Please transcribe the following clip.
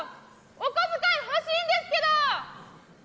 おこづかい欲しいんですけど！